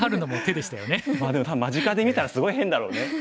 でも間近で見たらすごい変だろうね。